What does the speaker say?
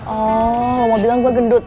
oh kalau mau bilang gue gendut